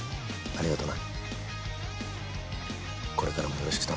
ありがとう。